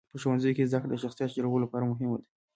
په ښوونځیو کې زدهکړه د شخصیت جوړولو لپاره مهمه ده.